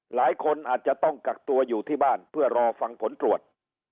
หลายคนอาจจะต้องกักตัวอยู่ที่บ้านเพื่อรอฟังผลตรวจ